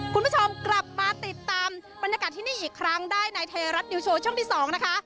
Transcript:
คุณผู้ชมกลับมาติดตามบรรยากาศที่นี่อีกครั้งได้ในไทยรัฐนิวโชว์ช่วงที่๒นะคะ